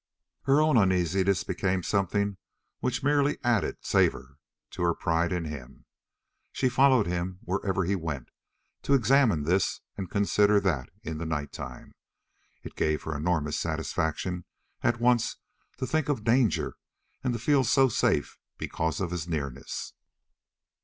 Her own uneasiness became something which merely added savor to her pride in him. She followed him wherever he went, to examine this and consider that in the nighttime. It gave her enormous satisfaction at once to think of danger and to feel so safe because of his nearness.